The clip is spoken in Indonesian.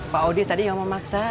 pak audi tadi yang memaksa